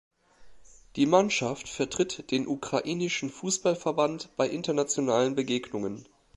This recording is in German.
Die Mannschaft vertritt den ukrainischen Fußballverband bei internationalen Begegnungen.